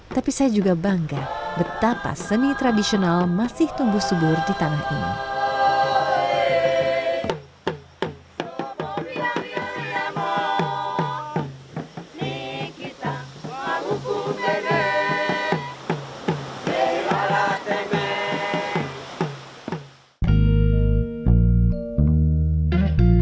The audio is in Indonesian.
tapi saya juga epitipus dengan arti tradisional yang masih terus terus tumbuh arah di ini